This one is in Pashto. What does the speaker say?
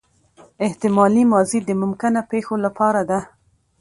احتمالي ماضي د ممکنه پېښو له پاره ده.